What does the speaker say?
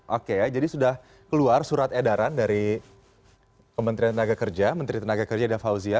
oke jadi sudah keluar surat edaran dari menteri tenaga kerja menteri tenaga kerja dhafauzia